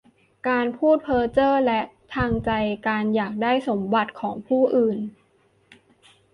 การพูดเพ้อเจ้อ และทางใจ การอยากได้สมบัติของผู้อื่น